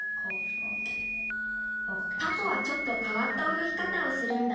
タコはちょっとかわったおよぎかたをするんだ。